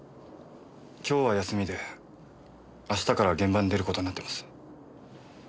今日は休みで明日から現場に出る事になってます。